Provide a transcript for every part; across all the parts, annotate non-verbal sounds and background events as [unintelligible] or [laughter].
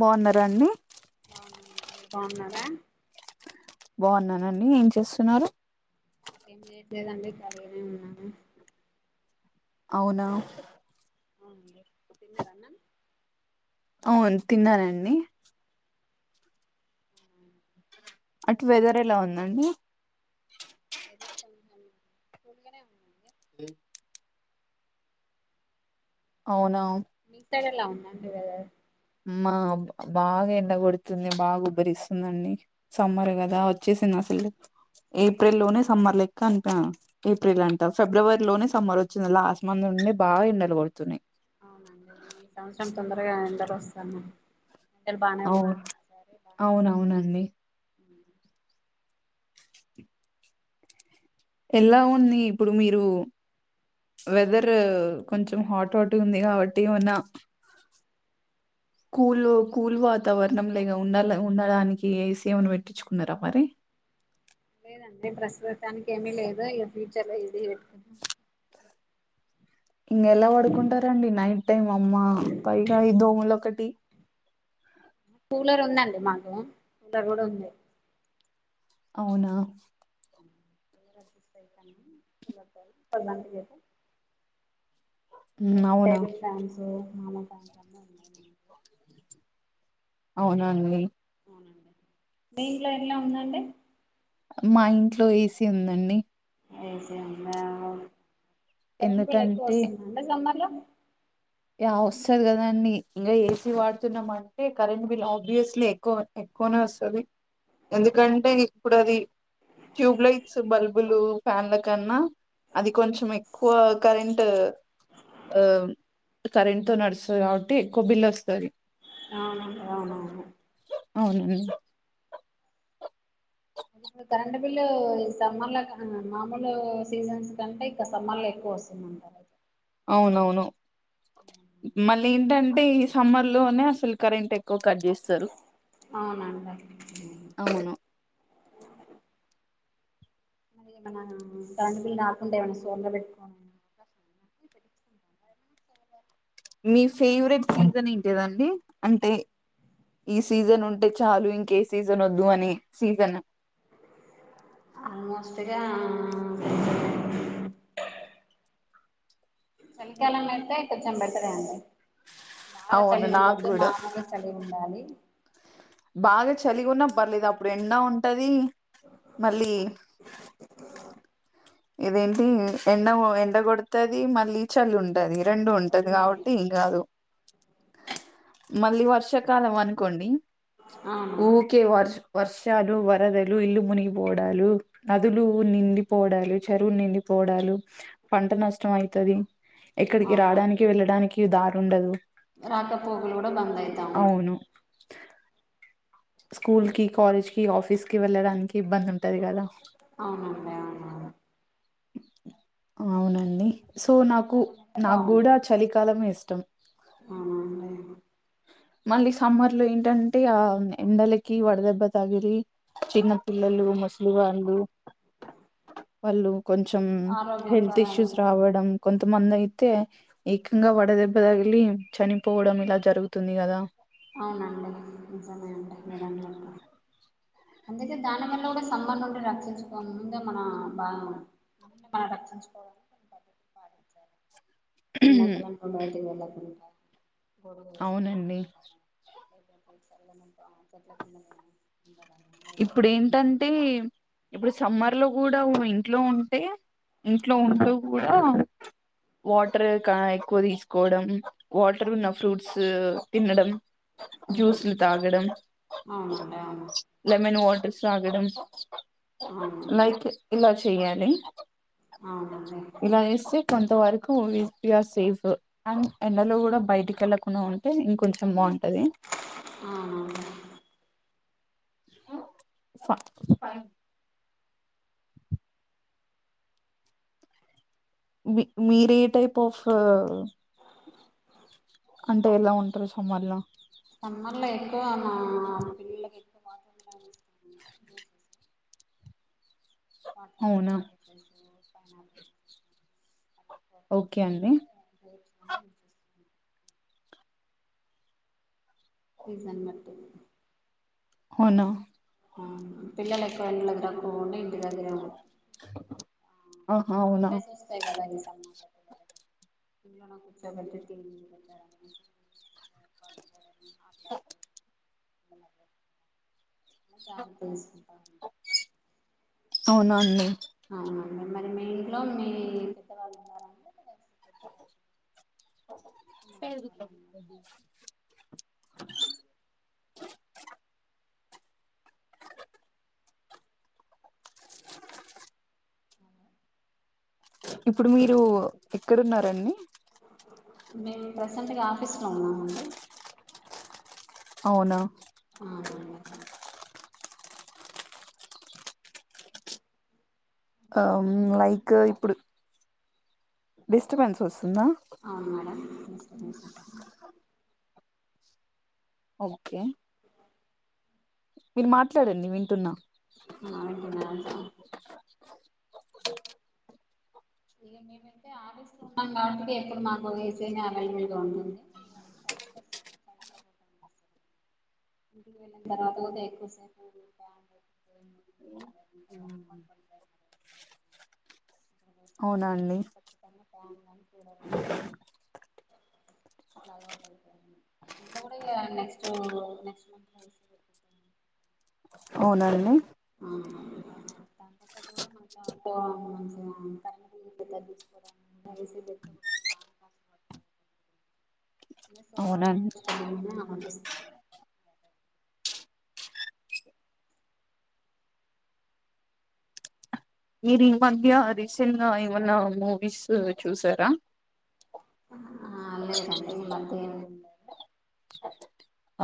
బావ్వునరా అండి బాగున్నరా బాగున్నానండి ఏం చేస్తున్నారు ఎం చేయట్లేదండి ఖాళీగానే ఉన్నాను అవునా అవునండి తిన్నారన్నం అవును తిన్నారండి అటు వెదర్ ఎలా ఉందండి ఎదురు పని కూల్గానే ఉంది అవునా మీసైడు ఎలావుందండి వీధేర్ అమ్ బాగా ఎండ కొడుతుంది బాగా గుబ్బరిస్తుందండి సమ్మర్ కదా వచ్చేసింది అసలు లే ఏప్రిలోనే సమ్మర్ లెక్క అ ఏప్రిల్ అంట ఫిబ్రవరిలోనే సమ్మర్ వచ్చింది లాస్ట్ మంత్ అన్ని బాగ ఎండలు గొడ్తున్నయ్ అవునండి ఈ సంవత్సరం తొందరగా ఎండలోస్తానయ్ అవును అవునవునండి ఉ ఎలా ఉంది ఇప్పుడు మీరు వెదర్ కొంచెం హాట్ హట్ ఉంది కావట్టి ఏమన్నా కూల్ కూల్ వాతావరణం లేగా ఉండలె ఉండడానికి ఏసి ఏమన్నా పెట్టించుకున్నారా మరి లేదండి ప్రస్తుతానికి ఏమీ లేదు ఇక ఫ్యూచర్ లో ఇది పెట్టుకున్నా మీరెలా పడుకుంటారండి నైట్ టైం అమ్మా పైగా ఈ దోమలొకటి కూలర్ ఉందండి మాకు కూలర్ కూడా ఉంది అవునా [unintelligible] ఉమ్ పిల్లలు అవునా టేబుల్ ఫ్యాన్స్ కామాన్ ఫ్యాన్స్ అన్నీ ఉన్నాయ్ మన ఇంట్లో అవున అండీ మీఇంట్లో ఎట్ల ఉందండి మా ఇంట్లో ఏసీ ఉందండి ఏసి ఉందా ఓకే కరెంట్ బిల్ ఎక్కువ ఎందుకంటే వస్తుందండి సమ్మర్ లో యా వస్తది కదా అండి ఇంగ ఏసీ వాడుతున్నామంటే కరెంట్ బిల్ ఆబ్వియస్లీ ఎక్కువ ఎకో క్కొనే వస్తది ఎందుకంటే ఇప్పుడు అది ట్యూబ్లైట్స్ బల్బులు ఫ్యాన్ల కన్నా అది కొంచెం ఎక్కువ కరెంట్ ఆ కరెంట్ తో నడుస్తది కాబట్టి ఎక్కువ బిల్ వస్తది అవునండి అవునవును అవును మరి ఇప్పుడు కరెంట్ బిల్లు ఈ సమ్మర్ల మామూలు సీజన్స్ కంటే ఇక సమ్మర్ లో ఎక్కువ వస్త సేమ్ అంటారు ఐతే ఆవునవును మళ్లేంటంటే ఈ సమ్మర్ లోనే అసలు కరెంట్ ఎక్కువ కట్ చేస్తారు అవునండి అవును మరి ఏమన కరెంటు బిల్లు రాకుండ డే ఏమైనా సోర్న పెట్టుకోవాల [unintelligible] మీ ఫేవరెట్ సీజన్ ఏంటిదండి అంటే ఈ సీజన్ ఉంటే చాలు ఇంకే సీజన్ వద్దు అని సీజను ఆల్మోస్ట్గా చలికాలం అయితే కొంచెం బెటర్ అండి బాగా అవును చలి నాకు ఉండద్దు కూడా మాముల్గ చలి ఉండాలి బాగా చలిగున్నా పర్లేదప్పుడు ఎండా ఉంటది మళ్ళీ ఇదేంటి ఎండ ఎండ కొడుతది మళ్ళీ చలి ఉంటది రెండు ఉంటది కాబట్టి ఏం కాదు మళ్ళీ వర్షాకాలం అనుకోండి అవును ఊకె వర్ష్ వర్షాలు వరదలు ఇల్లు మునిగిపోవడాలు నదులు నిండిపోడాలు చెరువు నిండి పోడాలు పంట నష్టం అయితది ఇక్కడికి రావడానికి వెళ్ళడానికి ఇ దారుండదు రాకపోకలు కూడా బంద్అయితా వుంటయ్ అవును స్కూల్ కి కాలేజ్ కి ఆఫీస్ కి వెళ్ళడానికి ఇబ్బంది ఉం అవునండి అవునవును అవునండి సో నాకు చలికాలం అయితే నాకు కూడా బాగుంటది చలికాలమే ఇష్టం అవునండి మళ్ళీ సమ్మర్ లో ఏంటంటే ఆ ఎండలకి వడదెబ్బ తగిలి చిన్న పిల్లలు ముసిలివాల్లు వాళ్ళు కొంచెం హెల్త్ ఆరోగ్యకరంగా ఇష్యూస్ రావడం కొ కొంతమందయితే ఏకంగా వడదెబ్బ తగిలి చనిపోవడం ఇలా జరుగుతుంది కదా అవునండి నిజమే అండి మీరన్నట్లు అందుకే దాని వల్ల కూడా సమ్మర్ నుండి రక్ ముందే మనం బా మనల్ని మనం రక్షించుకోవడానికి అంత ఎండాకాలం లో బయటికి వెళ్ళకూడదు అవునండి అ చల్లగింక చెట్ల కిందనే ఉండడము ఇప్పుడు లేకపోతే ఏంటంటే ఇప్పుడు సమ్మర్ లో కూడా ఇంట్లో ఉంటే ఇంట్లో ఉంటూ కూడా వాటర్ ఎక్కువ తీసుకోవడం వాటర్ ఉన్న ఫ్రూట్స్ తినడం జూస్లు తాగడం అవునండి అవును మన్ వాటర్ తాగడం అవునండి లైక్ ఇలా చేయండి అవునండి కొంత వరకు యూ ఆర్ సేఫ్ అండ్ ఎండలో కూడా బయటికి వెళ్ళకుండా ఉంటే ఇంక కొంచెం బాగు అవునండి ఫ మీ మీరే టైప్ ఆఫ్ అంటే ఎలా ఉంటారు సమ్మర్ ల సమ్మర్లే టే మా పిల్లలకి ఎక్కువ [unintelligible] మాట అవునా [unintelligible] ఆ ఓకే అండి కూర్చుంటే [unintelligible] సీజన్ బట్టి అవునా ఆ పిల్లలు ఎక్కువ ఎండలకు తిరగకుండా ఇంటి దగ్గరే ఉ ఆహా మా అవునా పేసి వస్తాయి కదా ఈ సమ్మర్లో ఇంట్లో నే కూర్చో బెట్టి తిని దగ్గర దానికి తెల్సినతాన అవునా అండి అవునండి మరి మీ ఇంట్లో మీ పెద్దవాళ్ళు ఉన్నారండి చిన్న వయసు పెరుగు తో వాళ్లు ఉన్నారా? ఇప్పుడు మీరు ఎక్కడున్నారండి మేము ప్రసెంట్గా ఆఫీస్లో ఉన్నామండి అవునా అవునండి ఆ డిస్టబెన్స్ లైక్ వస్తుంది ఇప్పుడు డిస్టప్ఫెన్స్ వస్తుందా అ మేడం [unintelligible] ఓకే మీరు మాట్లాడండి వింటున్నా ఆ [unintelligible] ఇక మేమైతే ఆవీస్లు ఉన్నాం కాబట్టి ఎప్పుడు మాకు వైఫై అవైలబుల్ గా ఉంటుంది బయటకు వస్తే [unintelligible] అమ్బ పడు అనెసరికి అవునా ఇగ అండి ఖచ్చితంగా ఫ్యాన్ కానీ కూలర్ ఉండాల్సిందే అట్లా అలవాటు అయిపోయింది ఇంట్లో కూడా నెక్స్ట్మంత్ నెక్స్ట్ అవునా అండి ఆహా వా సోలార్ అవునండి పెట్టించుకుందామా అనిపిస్తుంది మీర్ ఈ మధ్య రీసెంట్గా ఏమన్న మూవీస్ చూసారా? ఆ లేదండి ఈ మధ్య ఏ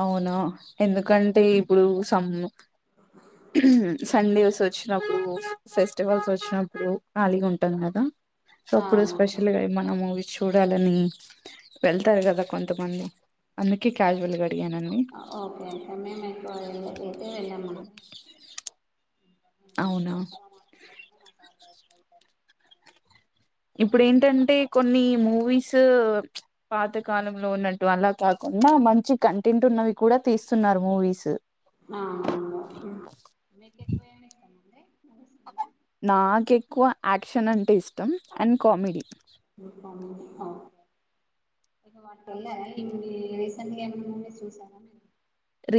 అవునా ఎందుకంటే ఇప్పుడు సమ్ సండేస్ వచ్చినప్పుడు ఫెస్టివల్స్ వచ్చినప్పుడు ఖాళీగుంటాం గదా సో ఆ అప్పుడు స్పెషల్గ ఏమన్న మూవీస్ చు చూడాలని వెళ్తార్ గదా కొంతమంది అందుకే క్యాస్యువల్గా ఆ ఓకే మేం ఎక్కువ ఎటే వెళ్ళమం అవునా ఎక్కువ మాకు [inaudible] ఇప్పుడ్ ఏంటంటే కొన్ని మూవీస్ పాత కాలంలో ఉన్నట్టు అలా కాకుం డా మంచి కంటెంట్ ఉన్నవి కూడా తీస్తున్నారు మూవీస్ ఆ అవును నాక్కువ యాక్షన్ అంటే ఇష్టం అండ్ కామెడీ నేను అట్లన్లే రీసెంట్గా ఏమన్న మూవీస్ చూసారా?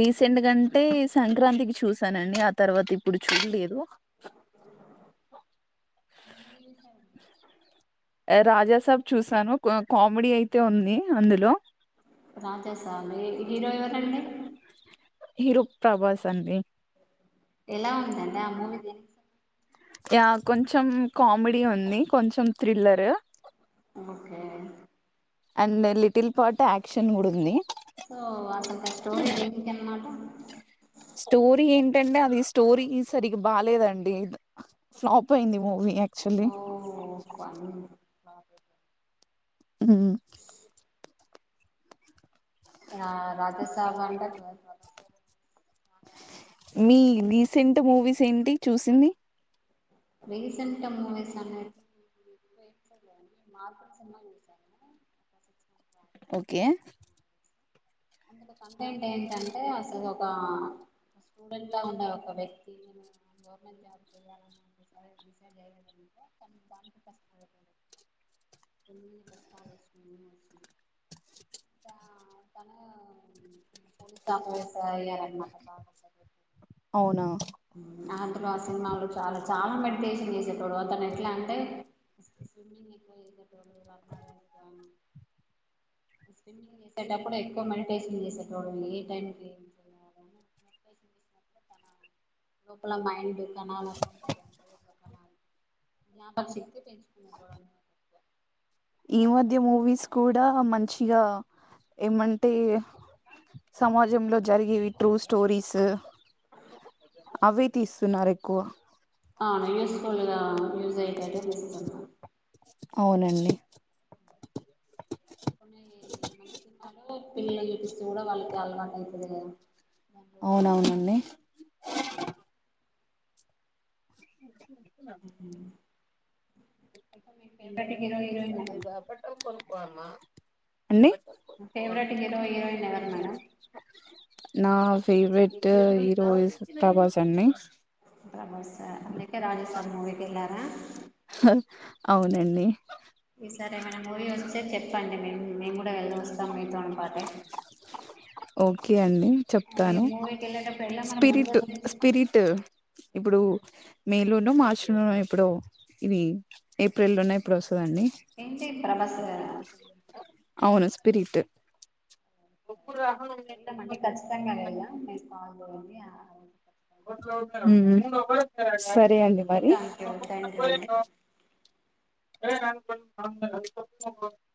రీసెంట్గా అంటే సంక్రాంతికి చూసానండి ఆ తర్వాత ఇప్పుడు చూడ్లేదు. ఏం మూవీ చూసారం రాజ సబ్ చూసాను కామెడీ అయితే ఉంది అందులో రాజా సాబ్ ఏ హీరో ఎవరండి? హీరో ప్రభాస్ అండి. ఎలా ఉందండి ఆ మూవీ దేనిక్ యా కొంచెం కామెడీ ఉంది కొంచం థ్రిల్లర్ ఓకే అండే కామెడీ లిటిల్ కదా పార్ట్ యాక్షన్ కూడా ఉంది సో అసల్క స్టోరీ దేనికన్మాట. స్టోరీ ఏంటంటే అది స్టోరీ సరిగ్ బాలేదండి ఫ్లాప్ అయింది మూవీ యాక్చువల్లీ అవ్ పన్ చూడా మ్ ఆ రాజా సాబ్ [unintelligible] మీ రీసెంట్ మూవీస్ ఏంటి చూసింది. రీసెంట్ మూవీస్ అనే [inaudible] ఓకే. అందులో కంటెంట్ ఏంటంటే అసల్ ఒక స్టూడెంలాగున్నరు ఒక వ్యక్తి. గవర్నమెంట్ జాబ్ చేయాలన్నంటే సరే డిసైడ్ చేయలేదే కానీ దానికి కష్టపడత ఎన్ని చేస్తావు [inaudible] పోలీసు ఆ పోలీస్లాగ చేయాలన్మాట. బాగ అవునా అందులో ఆ సినిమాల్లో చాలా చాలా మెడిటేషన్ చేసేటోడు అతను ఎట్ల అంటే స్విమ్మింగ్ ఎక్కువ చేసేటోడు రన్నర్ [inaudible] స్విమ్మింగ్ చేసటప్పుడ్ ఎ క్కువ మెడిటేషన్ చేసేటోడు ఏ టైమ్కి లోపల మైండ్ ఇంధనాల్ అన్ ఉంటాయి గదా జ్ఞాపకశక్తి పెంచుకునేటోడ్ అన్నమాట ఈ దాంట్లో మధ్య మూవీస్ కూడా మంచిగా ఏమంటే సమాజంలో జరిగేవి ట్రూ స్టోరీస్ అవి తీస్తున్నారు ఎక్కువ ఆ యూస్ ఫుల్గా యూజ్ అయ్యేటట్టే తీస్తున్న. అవునండి కొన్ని మంచి సినిమాలు పిల్లల్ చూడ వాళ్ళక్ అలవాటైతది గదా అవునవునండి [inaudible] అయితే మీ ఫేవరెట్ ఓ అమ్మా మీ ఫేవరెట్ హీరో హీరోయిన్ ఎవరు మేడం నా ఫేవరెట్ హీరోయిస్ ప్రభాస్ అండి ప్రభాస అందుకే రాజస్థాన్ మూవికెళ్ళారా అవునండి నేన్ నేను గూడా వెళ్లి వొస్తాం మీ తోనిపాటే ఓకే అండి చెప్తాను వెళ్ళేటప్పుడు ఎలా మనం ముందే స్పిరిట్ స్పిరిటూ ఇప్పుడు మే లోనూ మార్చ్ లోనో ఎప్పుడో ఇవి ఏప్రిల్లోన ఎపుడో వొస్ ఏంటి ప్రభాస్ దా అవును స్పిరిట్ వెల్దామండి ఖచ్చితంగా వెళ్దాం మీరు కాల్ చేయండి ఆ రోజు సరే అండి ఓకే మరి థ్యాంక్ యూ థ్యాంక్ యూ అండి [unintelligible]